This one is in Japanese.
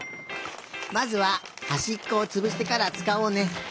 まずははしっこをつぶしてからつかおうね。